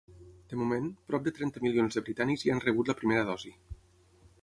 De moment, prop de trenta milions de britànics ja han rebut la primera dosi.